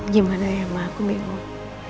gimana ya mbak aku bingung